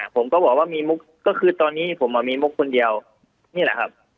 ผมก็บอกว่ามีมุกก็คือตอนนี้ผมมีมุกคนเดียวนี่แหละครับ